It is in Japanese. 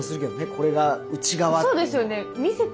これが内側って。